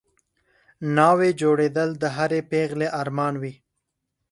ناوې جوړېدل د هرې پېغلې ارمان وي